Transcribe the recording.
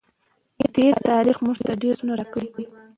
تېر تاریخ موږ ته ډېر درسونه راکوي.